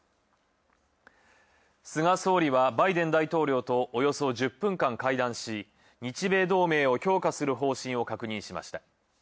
菅総理はバイデン大統領とおよそ１０分間会談し、日米同盟を強化する方針を確認しました。